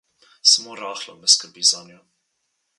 Samo rahlo me skrbi zanjo.